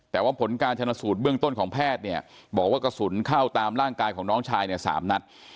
แต่ว่าผลการชนสูตรเบื้องต้นของแพทย์เนี่ยบอกว่ากระสุนเข้าตามร่างกายของน้องชายเนี่ย๓นัด